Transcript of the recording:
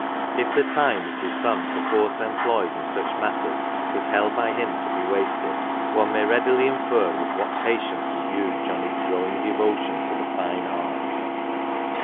If the time which his son perforce employed jin such matters was held by him to be wasted, one may readily infer with what patience he viewed Johnnie's growing devotion to the fine arts.